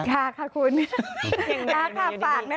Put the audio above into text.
ค่ะค่ะคุณอย่างนั้นอยู่ในนี้